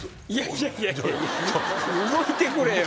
いやいや動いてくれよ。